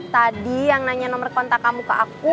tadi yang nanya nomor kontak kamu ke aku